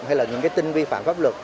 hay là những tin vi phạm pháp luật